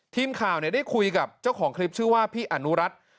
ทีมข่าวได้คุยกับเจ้าของคลิปชื่อว่าพี่อนุรัติ